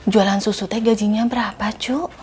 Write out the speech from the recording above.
jualan susu te gajinya berapa cu